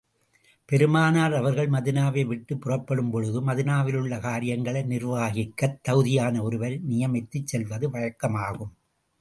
பெருமானார் அவர்கள் மதீனாவை விட்டுப் புறப்படும் பொழுது, மதீனாவிலுள்ள காரியங்களை நிர்வகிக்கத் தகுதியான ஒருவரை நியமித்துச் செல்வது வழக்கமாகும்.